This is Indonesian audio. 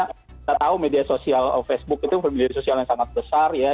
kita tahu media sosial facebook itu media sosial yang sangat besar ya